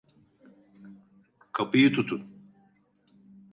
Kapıyı tutun!